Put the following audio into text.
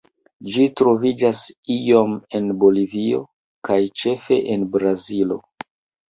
Ĝi troviĝas iom en Bolivio kaj ĉefe en Brazilo.